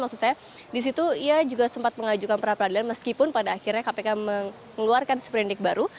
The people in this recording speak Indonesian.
maksud saya di situ ia juga sempat mengajukan perapradilan meskipun pada akhirnya kpk mengeluarkan seperindik baru